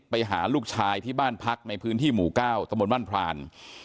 ไปหาลูกชายที่บ้านพักในพื้นที่หมู่๙ตะมนต์บ้านพราน